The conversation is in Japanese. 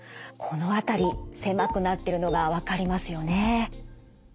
この辺り狭くなってるのが分かりますよね。